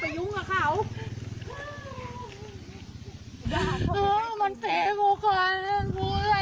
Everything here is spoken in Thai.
ภายใจนะครับ